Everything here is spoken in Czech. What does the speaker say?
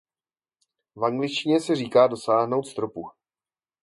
V angličtině se říká dosáhnout stropu.